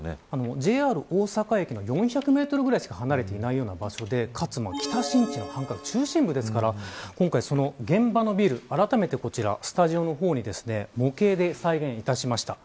ＪＲ大阪駅と４００メートルぐらいしか離れていない場所でかつ、北新地の繁華街の中心部なので今回、現場のビルあらためてスタジオに模型で再現いたしました。